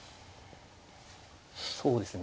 そうですね